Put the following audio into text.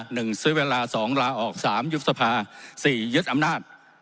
หนึ่งซื้อเวลาสองลาออกสามยุบสภาสี่ยึดอำนาจ